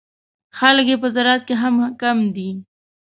خلک یې په زراعت کې هم کم نه دي.